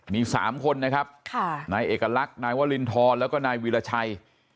มี๓คนนะครับนายเอกลักษณ์นายวรินทรแล้วก็นายวีรชัย